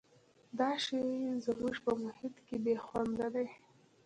دا شی زموږ په محیط کې بې خونده دی.